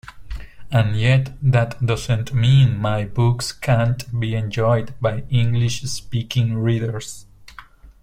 And yet, that doesn't mean my books can't be enjoyed by English-speaking readers.